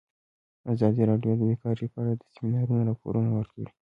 ازادي راډیو د بیکاري په اړه د سیمینارونو راپورونه ورکړي.